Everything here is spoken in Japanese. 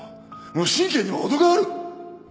無神経にも程がある！